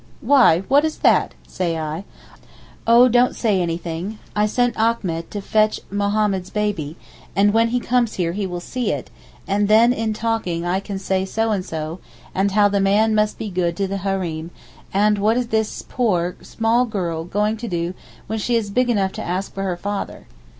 'Why what is that?' say I. 'Oh don't say anything. I sent Achmet to fetch Mohammed's baby, and when he comes here he will see it, and then in talking I can say so and so, and how the man must be good to the Hareem, and what this poor, small girl do when she big enough to ask for her father.